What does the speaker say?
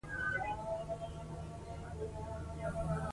د ولس ګډون د ثبات لامل دی